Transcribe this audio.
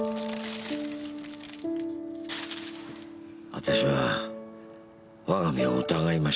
私は我が目を疑いました。